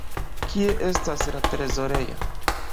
Kie estas la trezorejo?